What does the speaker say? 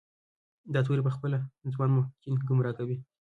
دا توری پخپله ځوان محققین ګمراه کوي.